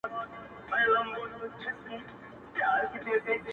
د قلمونو کتابونو کیسې،